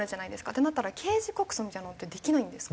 ってなったら刑事告訴みたいのってできないんですか？